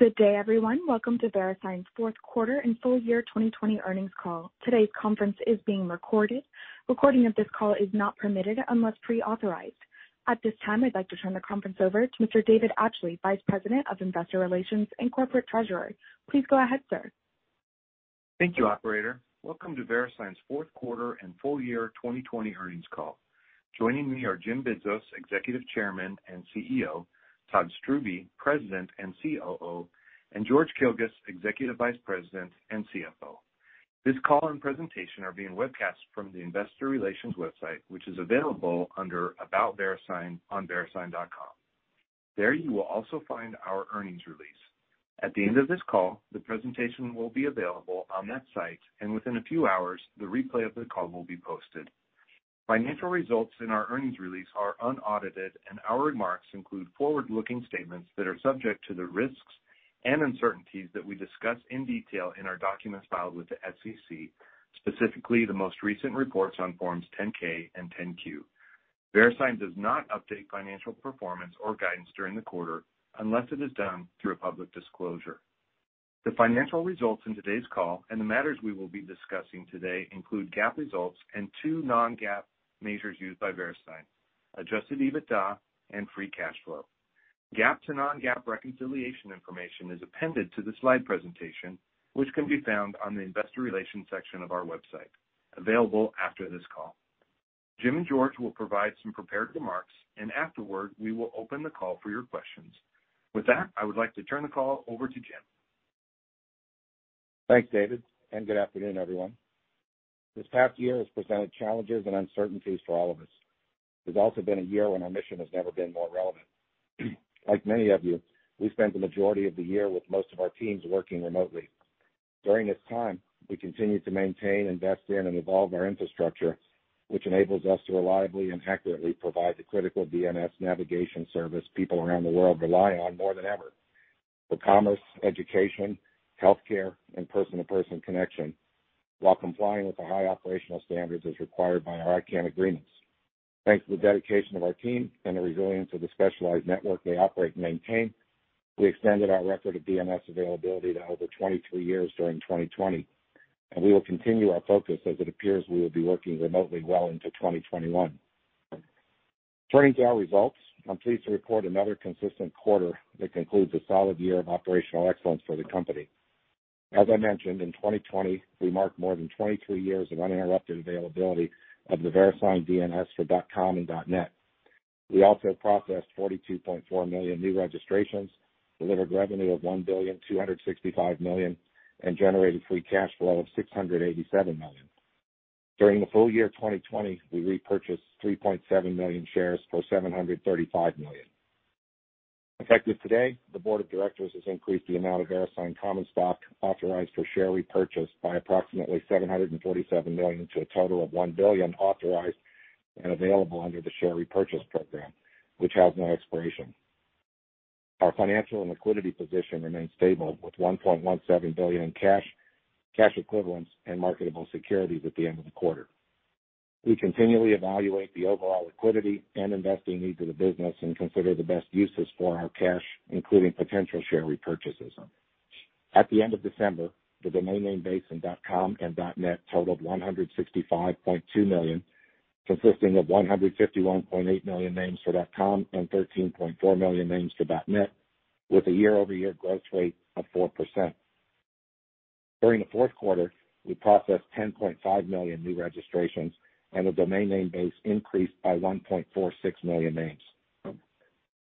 ood day, everyone. Welcome to VeriSign's fourth quarter and full year 2020 earnings call. Today's conference is being recorded. Recording of this call is not permitted unless pre-authorized. At this time, I'd like to turn the conference over to Mr. David Atchley, Vice President of Investor Relations and Corporate Treasurer. Please go ahead, sir. Thank you, operator. Welcome to VeriSign's fourth quarter and full year 2020 earnings call. Joining me are Jim Bidzos, Executive Chairman and CEO, Todd Strubbe, President and COO, and George Kilguss, Executive Vice President and CFO. This call and presentation are being webcast from the investor relations website, which is available under About VeriSign on verisign.com. There, you will also find our earnings release. At the end of this call, the presentation will be available on that site, and within a few hours, the replay of the call will be posted. Financial results in our earnings release are unaudited, and our remarks include forward-looking statements that are subject to the risks and uncertainties that we discuss in detail in our documents filed with the SEC, specifically the most recent reports on forms 10-K and 10-Q. VeriSign does not update financial performance or guidance during the quarter unless it is done through a public disclosure. The financial results in today's call and the matters we will be discussing today include GAAP results and two non-GAAP measures used by VeriSign, adjusted EBITDA and free cash flow. GAAP to non-GAAP reconciliation information is appended to the slide presentation, which can be found on the investor relations section of our website, available after this call. Jim and George will provide some prepared remarks, and afterward, we will open the call for your questions. With that, I would like to turn the call over to Jim. Thanks, David. Good afternoon, everyone. This past year has presented challenges and uncertainties for all of us. It has also been a year when our mission has never been more relevant. Like many of you, we spent the majority of the year with most of our teams working remotely. During this time, we continued to maintain, invest in, and evolve our infrastructure, which enables us to reliably and accurately provide the critical DNS navigation service people around the world rely on more than ever for commerce, education, healthcare, and person-to-person connection while complying with the high operational standards as required by our ICANN agreements. Thanks to the dedication of our team and the resilience of the specialized network they operate and maintain, we extended our record of DNS availability to over 23 years during 2020. We will continue our focus as it appears we will be working remotely well into 2021. Turning to our results, I'm pleased to report another consistent quarter that concludes a solid year of operational excellence for the company. As I mentioned, in 2020, we marked more than 23 years of uninterrupted availability of the VeriSign DNS for .com and .net. We also processed 42.4 million new registrations, delivered revenue of $1.265 billion, and generated free cash flow of $687 million. During the full year 2020, we repurchased 3.7 million shares for $735 million. Effective today, the board of directors has increased the amount of VeriSign common stock authorized for share repurchase by approximately $747 million to a total of $1 billion authorized and available under the share repurchase program, which has no expiration. Our financial and liquidity position remains stable with $1.17 billion in cash equivalents, and marketable securities at the end of the quarter. We continually evaluate the overall liquidity and investing needs of the business and consider the best uses for our cash, including potential share repurchases. At the end of December, the domain name base in .com and .net totaled 165.2 million, consisting of 151.8 million names for .com and 13.4 million names for .net, with a year-over-year growth rate of 4%. During the fourth quarter, we processed 10.5 million new registrations. The domain name base increased by 1.46 million names.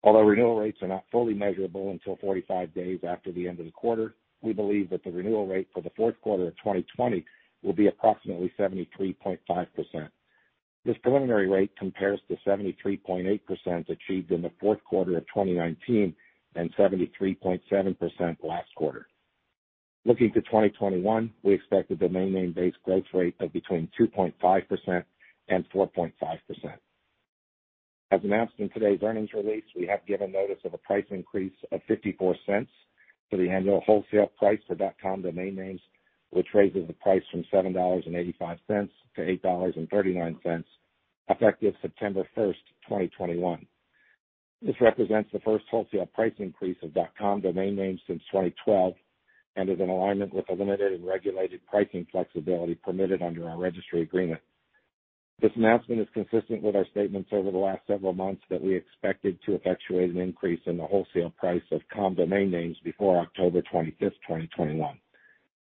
Although renewal rates are not fully measurable until 45 days after the end of the quarter, we believe that the renewal rate for the fourth quarter of 2020 will be approximately 73.5%. This preliminary rate compares to 73.8% achieved in the fourth quarter of 2019 and 73.7% last quarter. Looking to 2021, we expect a domain name base growth rate of between 2.5% and 4.5%. As announced in today's earnings release, we have given notice of a price increase of $0.54 for the annual wholesale price for .com domain names, which raises the price from $7.85 to $8.39 effective September 1, 2021. This represents the first wholesale price increase of .com domain names since 2012 and is in alignment with the limited and regulated pricing flexibility permitted under our registry agreement. This announcement is consistent with our statements over the last several months that we expected to effectuate an increase in the wholesale price of .com domain names before October 25, 2021.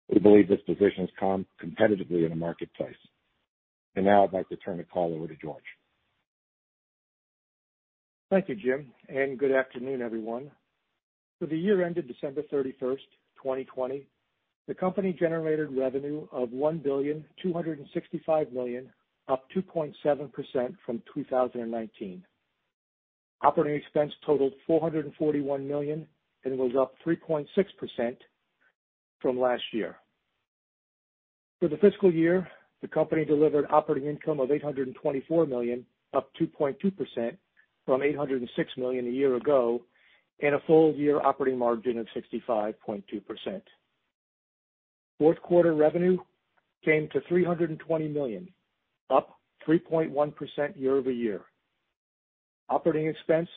We believe this positions .com competitively in the marketplace. Now I'd like to turn the call over to George. Thank you, Jim, and good afternoon, everyone. For the year ended December 31st, 2020, the company generated revenue of $1.265 billion, up 2.7% from 2019. Operating expense totaled $441 million and was up 3.6% from last year. For the fiscal year, the company delivered operating income of $824 million, up 2.2% from $806 million a year ago, and a full-year operating margin of 65.2%. Fourth quarter revenue came to $320 million, up 3.1% year-over-year. Operating expense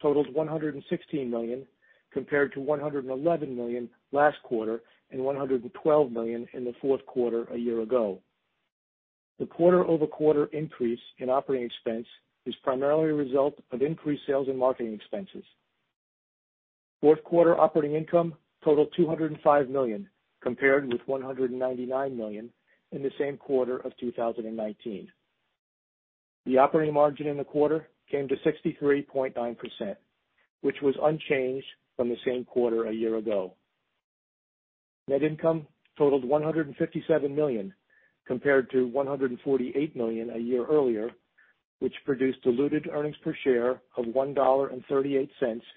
totaled $116 million compared to $111 million last quarter and $112 million in the fourth quarter a year ago. The quarter-over-quarter increase in operating expense is primarily a result of increased sales and marketing expenses. Fourth quarter operating income totaled $205 million compared with $199 million in the same quarter of 2019. The operating margin in the quarter came to 63.9%, which was unchanged from the same quarter a year ago. Net income totaled $157 million compared to $148 million a year earlier, which produced diluted earnings per share of $1.38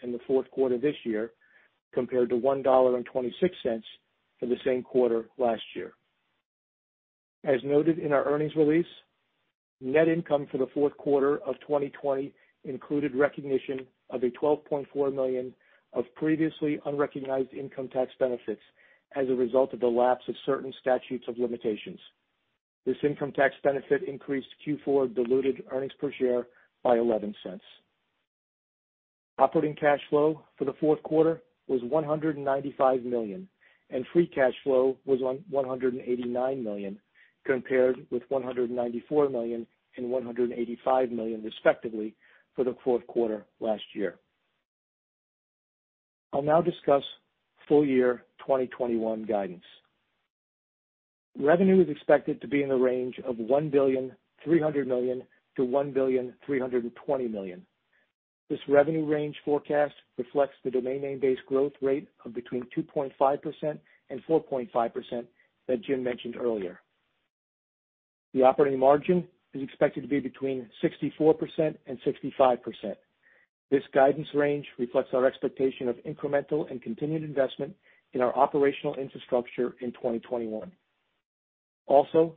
in the fourth quarter this year, compared to $1.26 for the same quarter last year. As noted in our earnings release, net income for the fourth quarter of 2020 included recognition of a $12.4 million of previously unrecognized income tax benefits as a result of the lapse of certain statutes of limitations. This income tax benefit increased Q4 diluted earnings per share by $0.11. Operating cash flow for the fourth quarter was $195 million, and free Cash low was $189 million compared with $194 million and $185 million, respectively, for the fourth quarter last year. I'll now discuss full year 2021 guidance. Revenue is expected to be in the range of $1.3 billion-$1.32 billion. This revenue range forecast reflects the domain name base growth rate of between 2.5% and 4.5% that Jim mentioned earlier. The operating margin is expected to be between 64% and 65%. This guidance range reflects our expectation of incremental and continued investment in our operational infrastructure in 2021. Also,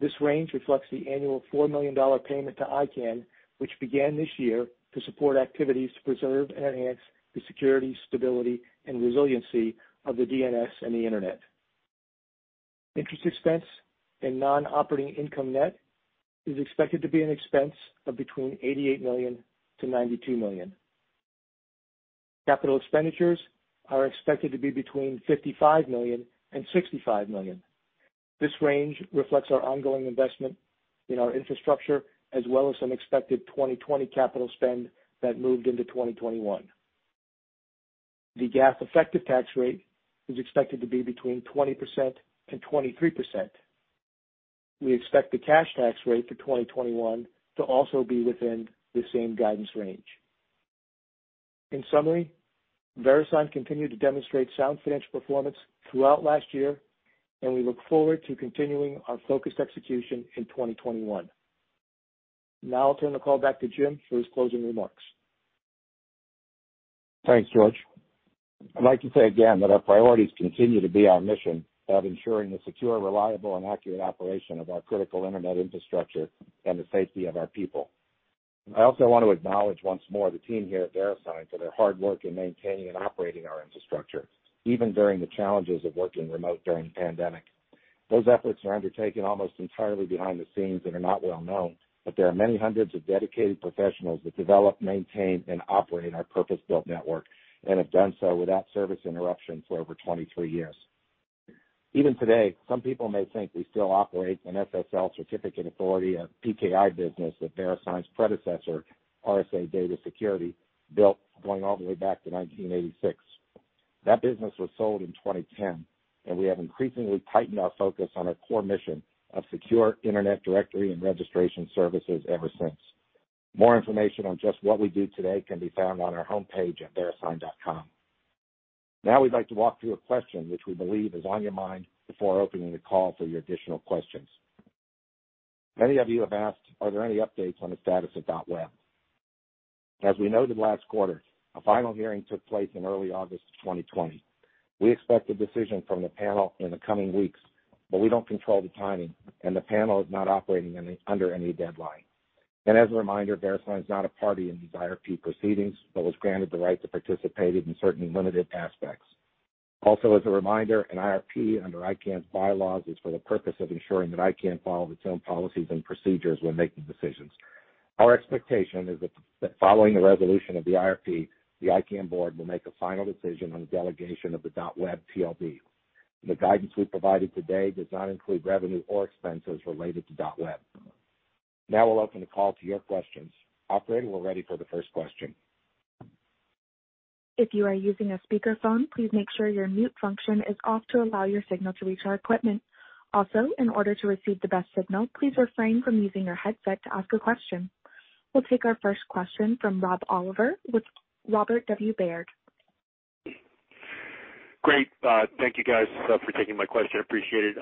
this range reflects the annual $4 million payment to ICANN, which began this year to support activities to preserve and enhance the security, stability, and resiliency of the DNS and the Internet. Interest expense and non-operating income net is expected to be an expense of between $88 million-$92 million. Capital expenditures are expected to be between $55 million and $65 million. This range reflects our ongoing investment in our infrastructure as well as some expected 2020 capital spend that moved into 2021. The GAAP effective tax rate is expected to be between 20% and 23%. We expect the cash tax rate for 2021 to also be within the same guidance range. In summary, VeriSign continued to demonstrate sound financial performance throughout last year, and we look forward to continuing our focused execution in 2021. Now I'll turn the call back to Jim for his closing remarks. Thanks, George. I'd like to say again that our priorities continue to be our mission of ensuring the secure, reliable, and accurate operation of our critical Internet infrastructure and the safety of our people. I also want to acknowledge once more the team here at VeriSign for their hard work in maintaining and operating our infrastructure, even during the challenges of working remote during the pandemic. Those efforts are undertaken almost entirely behind the scenes and are not well known, but there are many hundreds of dedicated professionals that develop, maintain, and operate our purpose-built network, and have done so without service interruption for over 23 years. Even today, some people may think we still operate an SSL certificate authority, a PKI business that VeriSign's predecessor, RSA Data Security, built going all the way back to 1986. That business was sold in 2010. We have increasingly tightened our focus on our core mission of secure Internet directory and registration services ever since. More information on just what we do today can be found on our homepage at verisign.com. We'd like to walk through a question which we believe is on your mind before opening the call for your additional questions. Many of you have asked, are there any updates on the status of .web? As we noted last quarter, a final hearing took place in early August of 2020. We expect a decision from the panel in the coming weeks. We don't control the timing. The panel is not operating under any deadline. As a reminder, VeriSign is not a party in these IRP proceedings. Was granted the right to participate in certain limited aspects. As a reminder, an IRP under ICANN's bylaws is for the purpose of ensuring that ICANN follow its own policies and procedures when making decisions. Our expectation is that following the resolution of the IRP, the ICANN board will make a final decision on the delegation of the .web TLD. The guidance we provided today does not include revenue or expenses related to .web. We'll open the call to your questions. Operator, we're ready for the first question. If you are using a speakerphone, please make sure your mute function is off to allow your signal to reach our equipment. In order to receive the best signal, please refrain from using your headset to ask a question. We'll take our first question from Rob Oliver with Robert W. Baird. Great. Thank you guys for taking my question. Appreciate it.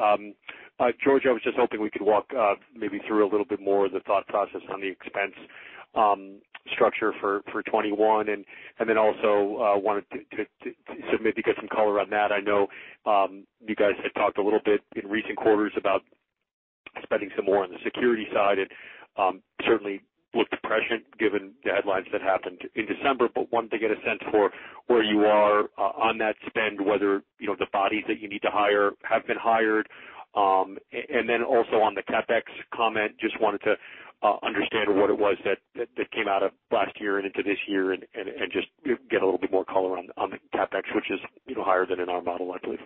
George, I was just hoping we could walk maybe through a little bit more of the thought process on the expense structure for 2021. Also, wanted to maybe get some color on that. I know, you guys had talked a little bit in recent quarters about expecting some more on the security side and, certainly looked depressing given the headlines that happened in December. Wanted to get a sense for where you are on that spend, whether, you know, the bodies that you need to hire have been hired. Then also on the CapEx comment, just wanted to understand what it was that came out of last year and into this year and just get a little bit more color on the CapEx, which is, you know, higher than in our model, I believe.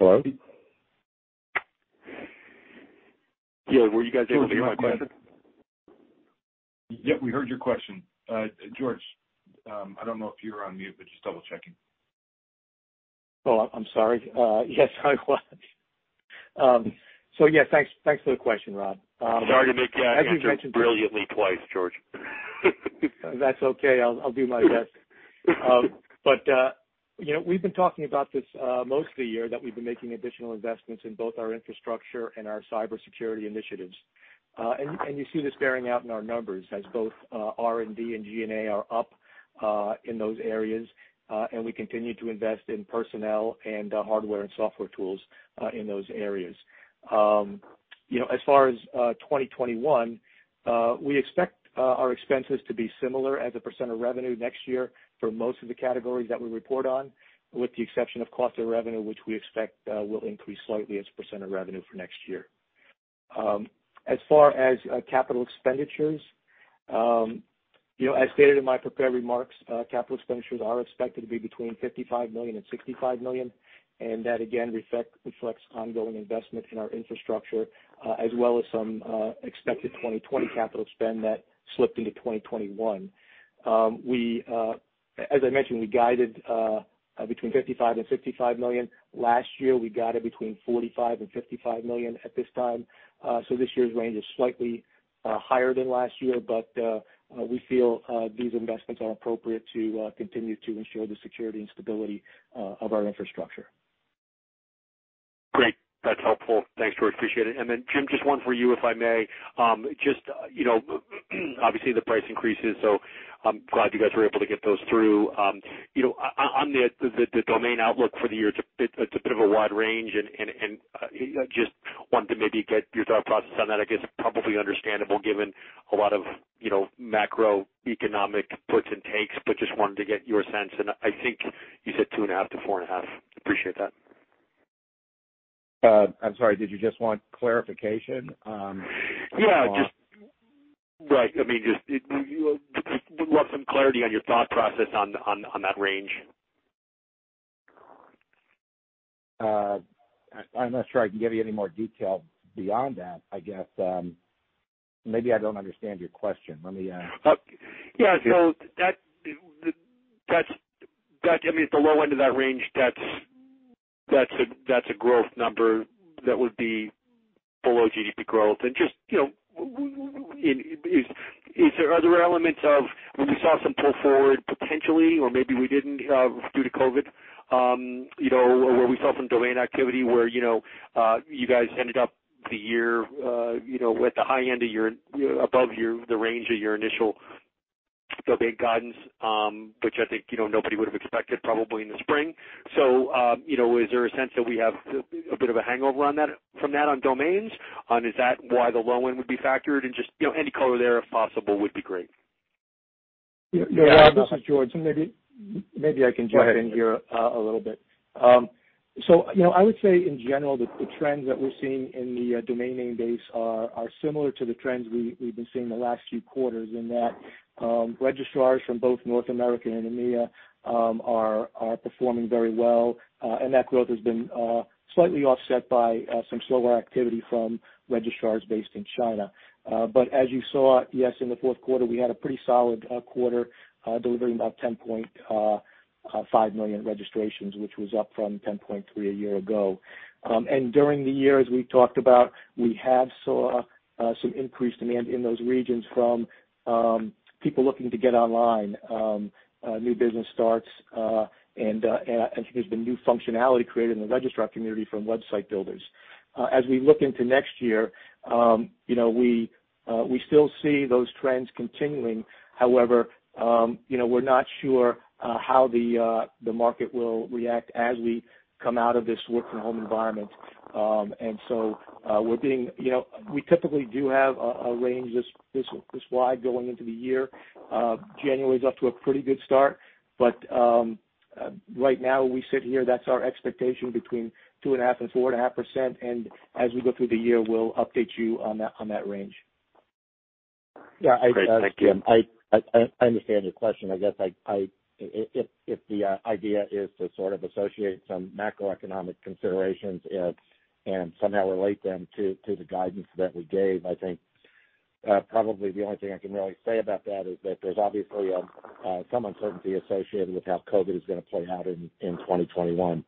Hello? Yeah. Were you guys able to hear my question? Yep, we heard your question. George, I don't know if you're on mute, but just double-checking. Oh, I'm sorry. Yes, I was. Yeah, thanks for the question, Rob. Sorry to make you answer brilliantly twice, George. That's okay. I'll do my best. You know, we've been talking about this most of the year that we've been making additional investments in both our infrastructure and our cybersecurity initiatives. You see this bearing out in our numbers as both R&D and G&A are up in those areas, and we continue to invest in personnel and hardware and software tools in those areas. You know, as far as 2021, we expect our expenses to be similar as a percent of revenue next year for most of the categories that we report on, with the exception of cost of revenue, which we expect will increase slightly as a percent of revenue for next year. As far as capital expenditures, you know, as stated in my prepared remarks, capital expenditures are expected to be between $55 million and $65 million, and that again reflects ongoing investments in our infrastructure, as well as some expected 2020 capital spend that slipped into 2021. We, as I mentioned, we guided between $55 million and $65 million. Last year, we guided between $45 million and $55 million at this time. This year's range is slightly higher than last year, but we feel these investments are appropriate to continue to ensure the security and stability of our infrastructure. Great. That's helpful. Thanks, George. Appreciate it. Then Jim, just one for you, if I may. Just, you know, obviously the price increases, so I'm glad you guys were able to get those through. You know, on the domain outlook for the year, it's a bit of a wide range, and just wanted to maybe get your thought process on that. I guess probably understandable given a lot of, you know, macroeconomic puts and takes, but just wanted to get your sense, and I think you said 2.5%-4.5%. Appreciate that. I'm sorry, did you just want clarification? Yeah, just Right. I mean, just, you know, just would love some clarity on your thought process on that range. I'm not sure I can give you any more detail beyond that. I guess, maybe I don't understand your question. Yeah. That, the, that's that, I mean, at the low end of that range, that's a, that's a growth number that would be below GDP growth. Just, you know, is there other elements of when we saw some pull forward potentially or maybe we didn't, due to COVID, you know, where we saw some domain activity where, you know, you guys ended up the year, you know, at the high end of your, above your, the range of your initial domain guidance, which I think, you know, nobody would have expected probably in the spring. You know, is there a sense that we have a bit of a hangover on that, from that on domains? Is that why the low end would be factored? Just, you know, any color there if possible would be great. Yeah, Rob, this is George. Maybe I can jump in here a little bit. You know, I would say in general, the trends that we're seeing in the domain name base are similar to the trends we've been seeing the last few quarters in that registrars from both North America and EMEA are performing very well. And that growth has been slightly offset by some slower activity from registrars based in China. But as you saw, yes, in the fourth quarter, we had a pretty solid quarter, delivering about 10.5 million registrations, which was up from 10.3 a year ago. During the year, as we talked about, we have seen some increased demand in those regions from people looking to get online, new business starts, and there's been new functionality created in the registrar community from website builders. As we look into next year, you know, we still see those trends continuing. However, you know, we're not sure how the market will react as we come out of this work from home environment. We're being You know, we typically do have a range this wide going into the year. January is off to a pretty good start, but right now we sit here, that's our expectation between 2.5% and 4.5%, and as we go through the year, we'll update you on that, on that range. Yeah. Great. Thank you. I, Jim, I understand your question. I guess if the idea is to sort of associate some macroeconomic considerations and somehow relate them to the guidance that we gave, I think probably the only thing I can really say about that is that there's obviously some uncertainty associated with how COVID is gonna play out in 2021.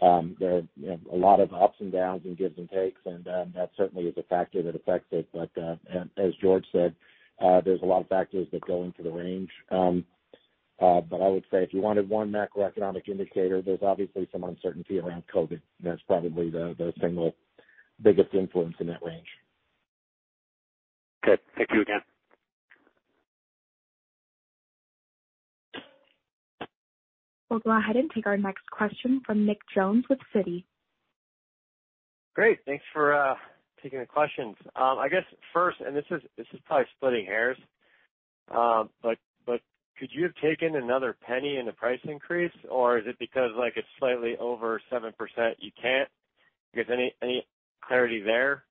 There are, you know, a lot of ups and downs and gives and takes, and that certainly is a factor that affects it. As George said, there's a lot of factors that go into the range. I would say if you wanted one macroeconomic indicator, there's obviously some uncertainty around COVID. That's probably the single biggest influence in that range. Okay. Thank you again. We'll go ahead and take our next question from Nick Jones with Citi. Great. Thanks for taking the questions. I guess first, and this is probably splitting hairs, but could you have taken another $0.01 in the price increase, or is it because, like, it's slightly over 7% you can't? I guess, any clarity there?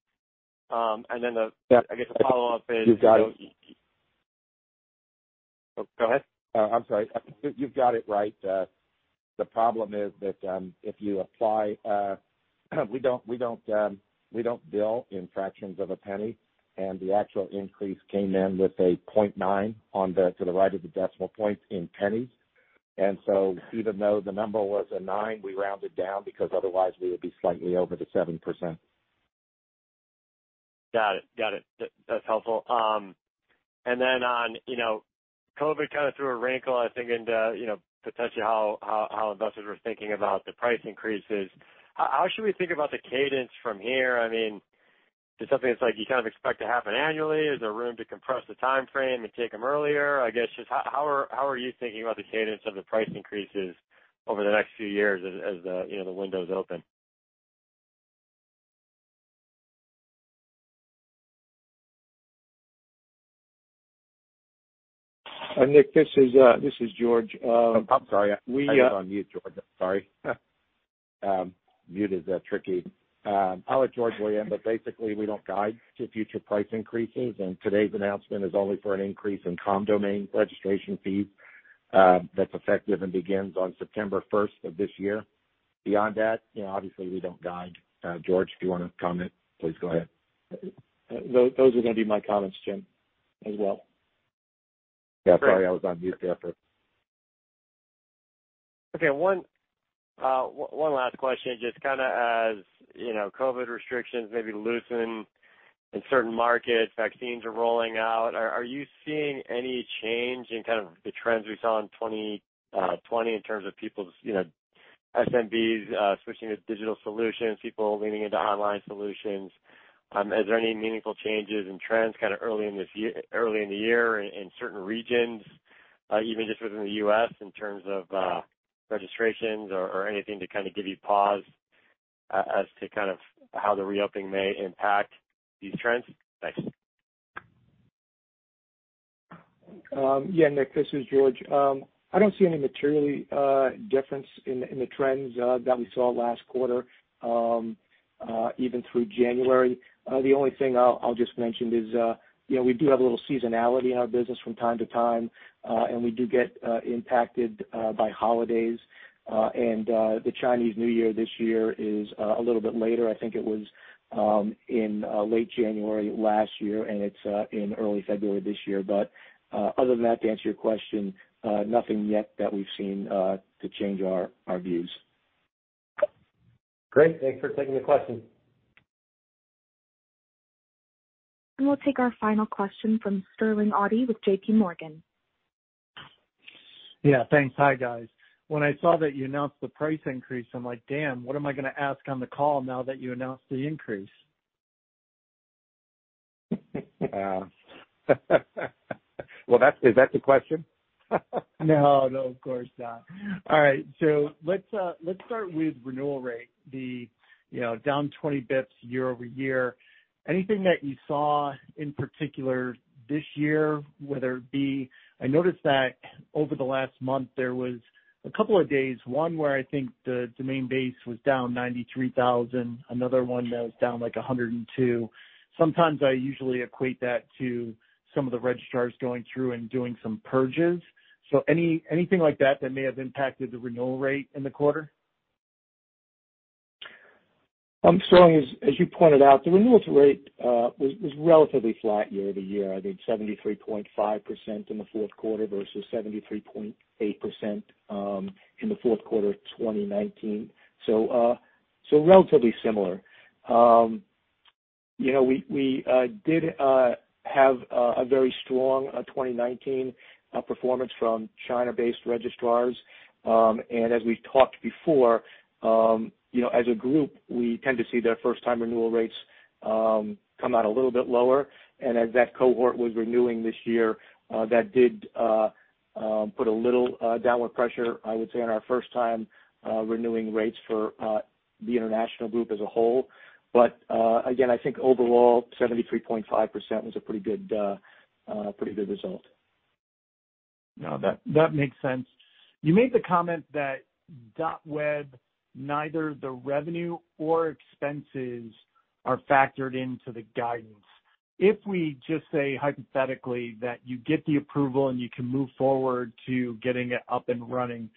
Yeah. I guess the follow-up is. You've got it. Oh, go ahead. Oh, I'm sorry. You've got it right. The problem is that if you apply, we don't bill in fractions of a penny, and the actual increase came in with a 0.9 to the right of the decimal point in pennies. Even though the number was a nine, we rounded down because otherwise we would be slightly over the 7%. Got it. Got it. That's helpful. Then on, you know, COVID kind of threw a wrinkle, I think, into, you know, potentially how investors were thinking about the price increases. How should we think about the cadence from here? I mean, is it something that's like you kind of expect to happen annually? Is there room to compress the timeframe and take them earlier? I guess just how are you thinking about the cadence of the price increases over the next few years as the, you know, the window's open? Nick, this is George. Oh, I'm sorry. We. I was on mute, George. Sorry. Mute is tricky. I'll let George weigh in, but basically we don't guide to future price increases. Today's announcement is only for an increase in .com domain registration fees that's effective and begins on September 1st of this year. Beyond that, you know, obviously we don't guide. George, if you wanna comment, please go ahead. Those are gonna be my comments, Jim, as well. Yeah, sorry, I was on mute there for. Okay, one last question. Just kind of as, you know, COVID restrictions maybe loosen in certain markets, vaccines are rolling out, are you seeing any change in kind of the trends we saw in 2020 in terms of people's, you know, SMBs switching to digital solutions, people leaning into online solutions? Is there any meaningful changes in trends kind of early in the year in certain regions, even just within the U.S. in terms of registrations or anything to kind of give you pause as to kind of how the reopening may impact these trends? Thanks. Yeah, Nick, this is George. I don't see any materially difference in the trends that we saw last quarter even through January. The only thing I'll just mention is, you know, we do have a little seasonality in our business from time to time, and we do get impacted by holidays. The Chinese New Year this year is a little bit later. I think it was in late January last year, and it's in early February this year. Other than that, to answer your question, nothing yet that we've seen to change our views. Great. Thanks for taking the question. We'll take our final question from Sterling Auty with JPMorgan. Yeah. Thanks. Hi, guys. When I saw that you announced the price increase, I'm like, "Damn, what am I gonna ask on the call now that you announced the increase? Well, is that the question? No. No, of course not. All right, let's start with renewal rate. The, you know, down 20 bips year-over-year. Anything that you saw in particular this year, whether it be I noticed that over the last month there was a couple of days, one where I think the domain base was down 93,000, another one that was down like 102. Sometimes I usually equate that to some of the registrars going through and doing some purges. Anything like that that may have impacted the renewal rate in the quarter? Sterling, as you pointed out, the renewals rate was relatively flat year-over-year. I think 73.5% in the fourth quarter versus 73.8% in the fourth quarter of 2019. Relatively similar. You know, we did have a very strong 2019 performance from China-based registrars. As we've talked before, you know, as a group, we tend to see their first-time renewal rates come out a little bit lower. As that cohort was renewing this year, that did put a little downward pressure, I would say, on our first-time renewing rates for the international group as a whole. Again, I think overall, 73.5% was a pretty good result. No, that makes sense. You made the comment that .web, neither the revenue or expenses are factored into the guidance. If we just say hypothetically that you get the approval and you can move forward to getting it up and running,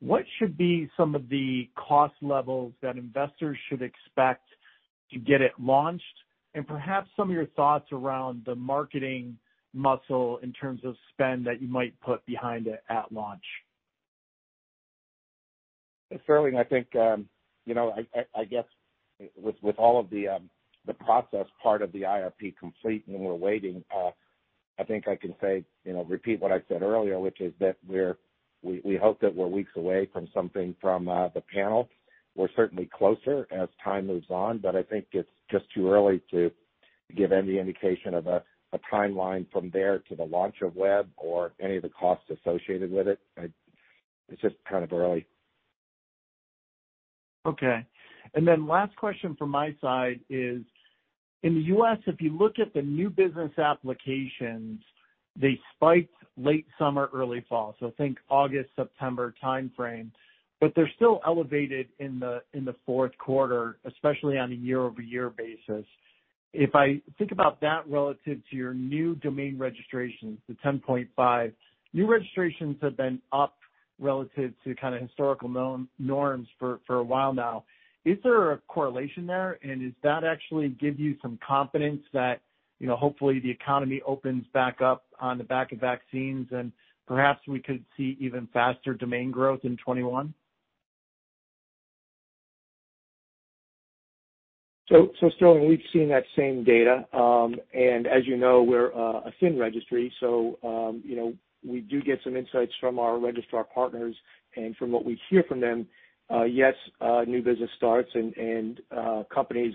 what should be some of the cost levels that investors should expect to get it launched? Perhaps some of your thoughts around the marketing muscle in terms of spend that you might put behind it at launch. Sterling, I think, you know, I guess with all of the process part of the IRP complete and we're waiting, I think I can say, you know, repeat what I said earlier, which is that we hope that we're weeks away from something from the panel. We're certainly closer as time moves on, but I think it's just too early to give any indication of a timeline from there to the launch of .web or any of the costs associated with it. It's just kind of early. Okay. Last question from my side is, in the U.S., if you look at the new business applications, they spiked late summer, early fall, so think August, September timeframe. They're still elevated in the fourth quarter, especially on a year-over-year basis. If I think about that relative to your new domain registrations, the 10.5, new registrations have been up relative to kind of historical norms for a while now. Is there a correlation there? Does that actually give you some confidence that, you know, hopefully, the economy opens back up on the back of vaccines, and perhaps we could see even faster domain growth in 2021? Sterling, we've seen that same data. As you know, we're a thin registry, you know, we do get some insights from our registrar partners. From what we hear from them, yes, new business starts and companies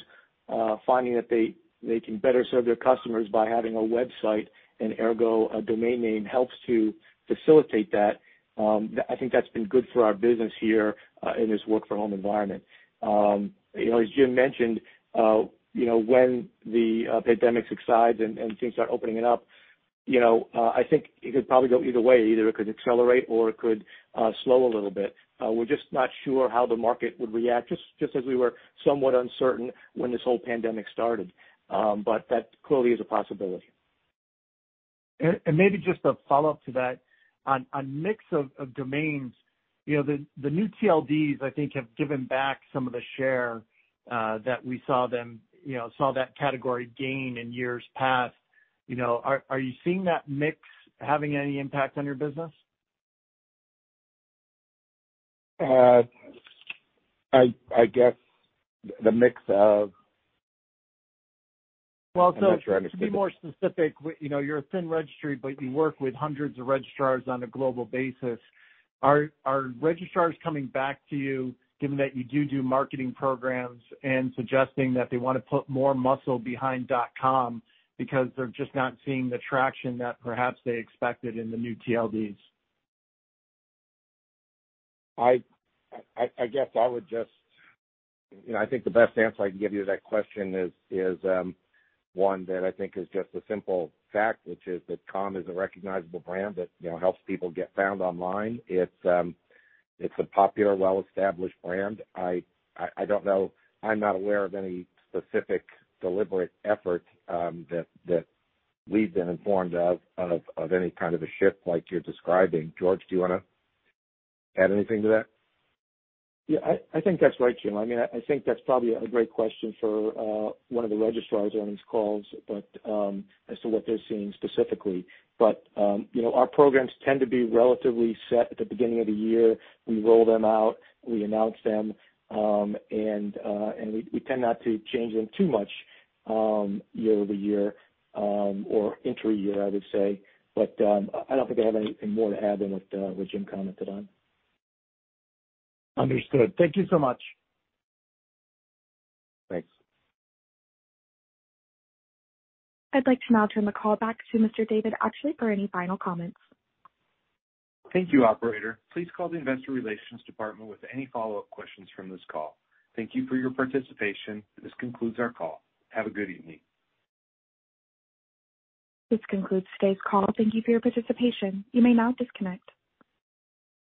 finding that they can better serve their customers by having a website, and ergo, a domain name helps to facilitate that. I think that's been good for our business here in this work from home environment. You know, as Jim mentioned, you know, when the pandemic subsides and things start opening up, you know, I think it could probably go either way. Either it could accelerate, or it could slow a little bit. We're just not sure how the market would react, just as we were somewhat uncertain when this whole pandemic started. That clearly is a possibility. Maybe just a follow-up to that. On mix of domains, you know, the new TLDs, I think, have given back some of the share that we saw them, you know, saw that category gain in years past. You know, are you seeing that mix having any impact on your business? I guess the mix of. Well. I'm not sure I understand. To be more specific, you know, you're a thin registry, but you work with hundreds of registrars on a global basis. Are registrars coming back to you, given that you do do marketing programs and suggesting that they wanna put more muscle behind .com because they're just not seeing the traction that perhaps they expected in the new TLDs? I guess I would just You know, I think the best answer I can give you to that question is one that I think is just a simple fact, which is that .com is a recognizable brand that, you know, helps people get found online. It's a popular, well-established brand. I don't know I'm not aware of any specific deliberate effort that we've been informed of any kind of a shift like you're describing. George, do you wanna add anything to that? Yeah, I think that's right, Jim. I mean, I think that's probably a great question for one of the registrars on these calls, but as to what they're seeing specifically. You know, our programs tend to be relatively set at the beginning of the year. We roll them out, we announce them, and we tend not to change them too much year-over-year or inter year, I would say. I don't think I have anything more to add than what Jim commented on. Understood. Thank you so much. Thanks. I'd like to now turn the call back to Mr. David Atchley for any final comments. Thank you, operator. Please call the investor relations department with any follow-up questions from this call. Thank you for your participation. This concludes our call. Have a good evening. This concludes today's call. Thank you for your participation. You may now disconnect.